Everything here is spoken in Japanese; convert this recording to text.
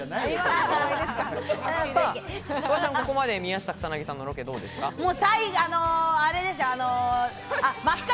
フワちゃん、ここまで宮下草薙さんのロケどうですか？